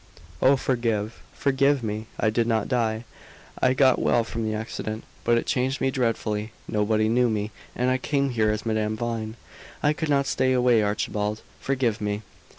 "Oh, forgive forgive me! I did not die. I got well from the accident, but it changed me dreadfully. Nobody knew me, and I came here as Madame Vine. I could not stay away, Archibald, forgive me!"